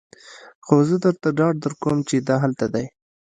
خو زه درته ډاډ درکوم چې دا هلته دی